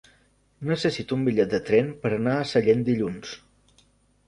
Necessito un bitllet de tren per anar a Sallent dilluns.